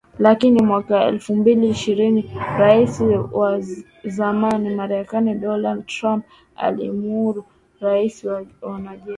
Lakini mwaka elfu mbili ishirini ,Rais wa zamani Marekani Donald Trump aliamuru kiasi cha wanajeshi mia saba hamsini wa Marekani nchini Somalia kuondoka